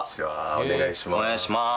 お願いします。